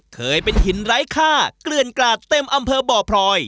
เคยเป็นหินไร้ค่าเกลื่อนกราดเต็มอำเภอบ่อพลอย